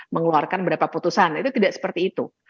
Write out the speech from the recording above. mengeluarkan beberapa putusan itu tidak seperti itu